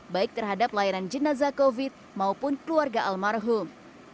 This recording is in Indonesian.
baik terhadap layanan jenazah covid sembilan belas maupun keluarga almarhum